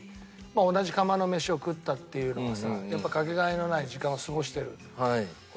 同じ釜の飯を食ったっていうのはさやっぱかけがえのない時間を過ごしてる事なので。